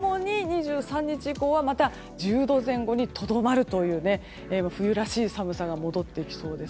それが寒気とともに２３日以降はまた１０度前後にとどまるという冬らしい寒さが戻ってきそうです。